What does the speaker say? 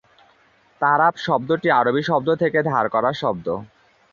তারাব শব্দটি আরবি শব্দ থেকে ধার করা শব্দ।